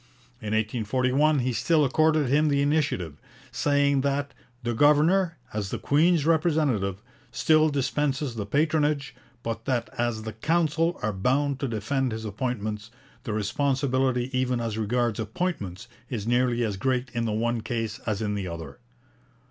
In 1841 he still accorded him the initiative, saying that 'the governor, as the Queen's representative, still dispenses the patronage, but that as the Council are bound to defend his appointments, the responsibility even as regards appointments is nearly as great in the one case as in the other.'